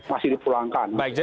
masih di pulangkan